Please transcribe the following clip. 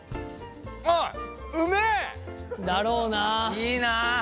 いいなあ。